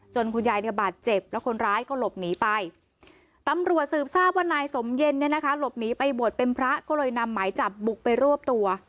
คุณยายเนี่ยบาดเจ็บแล้วคนร้ายก็หลบหนีไปตำรวจสืบทราบว่านายสมเย็นเนี่ยนะคะหลบหนีไปบวชเป็นพระก็เลยนำหมายจับบุกไปรวบตัว